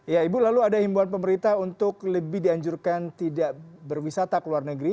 ya ibu lalu ada himbawan pemerintah untuk lebih dianjurkan tidak berwisata ke luar negeri